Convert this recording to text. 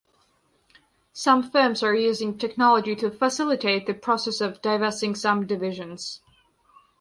Some firms are using technology to facilitate the process of divesting some divisions.